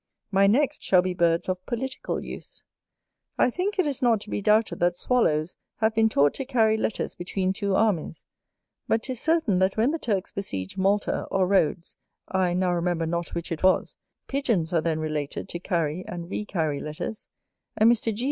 My next shall be of birds of political use. I think it is not to be doubted that Swallows have been taught to carry letters between two armies; but 'tis certain that when the Turks besieged Malta or Rhodes, I now remember not which it was, Pigeons are then related to carry and recarry letters: and Mr. G.